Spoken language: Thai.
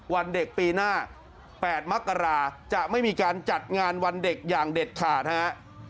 วันเด็กปีหน้า๘มกราจะไม่มีการจัดงานวันเด็กอย่างเด็ดขาดฮะ